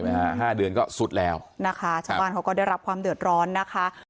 ห้าเดือนก็สุดแล้วนะคะชาวบ้านเขาก็ได้รับความเดือดร้อนนะคะ